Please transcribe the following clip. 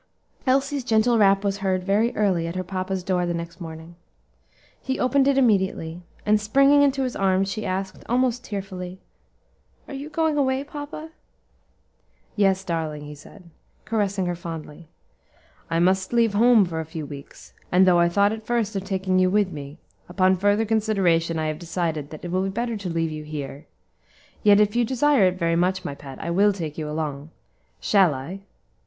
Elsie's gentle rap was heard very early at her papa's door the next morning. He opened it immediately, and springing into his arms, she asked, almost tearfully, "Are you going away, papa?" "Yes, darling," he said, caressing her fondly. "I must leave home for a few weeks; and though I at first thought of taking you with me, upon further consideration I have decided that it will be better to leave you here; yet, if you desire it very much, my pet, I will take you along. Shall I?"